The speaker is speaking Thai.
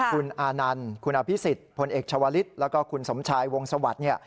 คุณอานันคุณอพิสิตผลเอกชาวัฬิสแล้วก็คุณสมชายวงสวัสดิ์